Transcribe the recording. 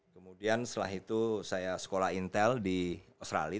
kemudian setelah itu saya sekolah intel di australia